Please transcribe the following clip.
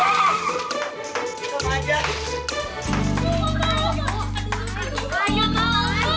aduh mau kalah